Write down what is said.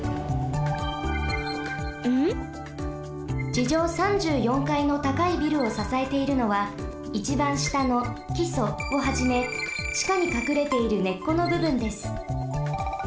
ちじょう３４かいのたかいビルをささえているのはいちばんしたのきそをはじめちかにかくれている根っこのぶぶんです。